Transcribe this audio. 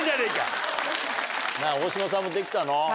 大島さんもできたの？